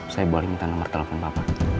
saya boleh minta nomor telepon papa